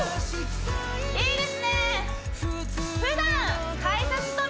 いいですね